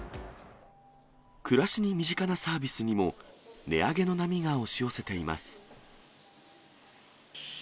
暮らしに身近なサービスにも、値上げの波が押し寄せています。